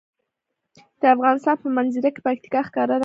د افغانستان په منظره کې پکتیکا ښکاره ده.